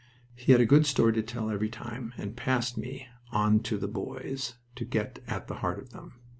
He had a good story to tell every time, and passed me on to "the boys" to get at the heart of them.